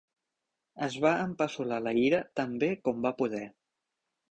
Es va empassolar la ira tan bé com va poder.